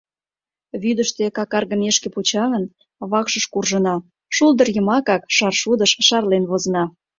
Вӱдыштӧ какаргымешке почаҥын, вакшыш куржына, шулдыр йымакак, шаршудыш, шарлен возына.